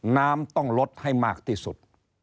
น้ำต้องลดให้มากที่สุด